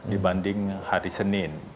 dibanding hari senin